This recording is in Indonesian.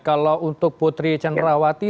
kalau untuk putri cenrawati